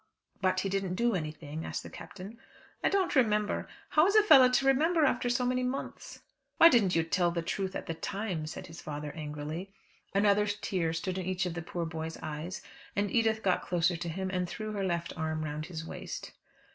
"But he didn't do anything?" asked the Captain. "I don't remember. How is a fellow to remember after so many months?" "Why didn't you tell the truth at the time?" said his father angrily. Another tear stood in each of the poor boy's eyes, and Edith got closer to him, and threw her left arm round his waist.